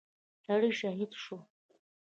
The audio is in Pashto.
سړى شهيد شو.